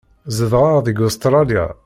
Zedɣeɣ deg Ustṛalya.